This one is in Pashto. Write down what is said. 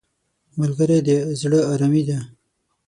ملګری د زړه آرامي دی